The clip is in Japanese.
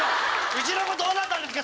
うちの子どうなったんですか？